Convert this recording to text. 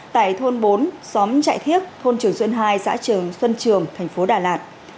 tại thôn bốn xóm trại thiếc thôn trường xuân ii xã trường xuân trường tp đà lạt